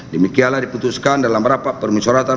demikianlah diputuskan dalam rapat permusyaratan